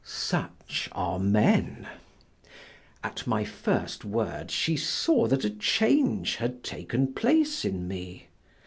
Such are men. At my first word she saw that a change had taken place in me.